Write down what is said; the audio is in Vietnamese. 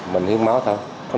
mình hiến máu thôi